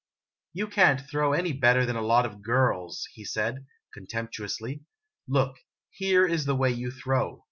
" You can't throw any better than a lot of girls !' he said, con temptuously. " Look, here is the way you throw